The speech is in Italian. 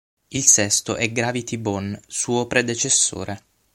Il sesto è Gravity Bone, suo predecessore.